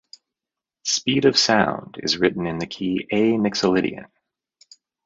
"Speed of Sound" is written in the key A Mixolydian.